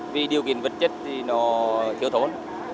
vì điều kiện vật chất thì nó thiếu thốn